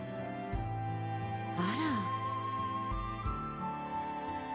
あら。